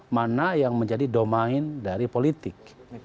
mana yang menjadi domain dari politik